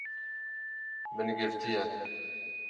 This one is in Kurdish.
Min girtiye